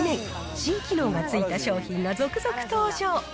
新機能が付いた商品が続々登場。